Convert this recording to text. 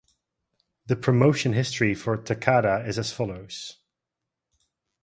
The promotion history for Takada is as follows.